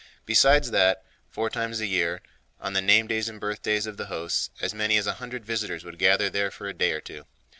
Besides that, four times a year, on the name days and birthdays of the hosts, as many as a hundred visitors would gather there for a day or two.